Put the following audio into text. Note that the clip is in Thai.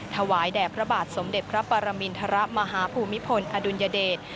ถวายแด่พระบาทสมเด็จพระปรมินทรมาฮภูมิพลอดุลยเดช